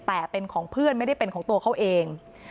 แต่เป็นของเพื่อนไม่ได้เป็นของตัวเขาเอง